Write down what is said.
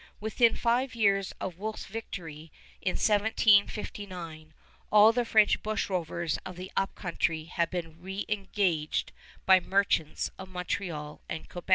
Within five years of Wolfe's victory in 1759 all the French bushrovers of the Up Country had been reëngaged by merchants of Montreal and Quebec.